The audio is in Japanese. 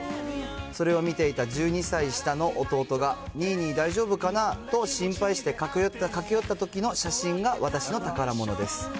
それを見ていた１２歳下の弟が、にいに大丈夫かな？と心配して駆け寄ったときの写真が私の宝物です。